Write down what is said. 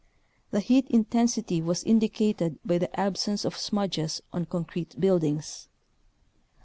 The heat intensity was indicated by the absence of smudges on concrete buildings.